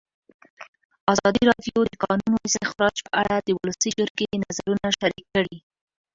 ازادي راډیو د د کانونو استخراج په اړه د ولسي جرګې نظرونه شریک کړي.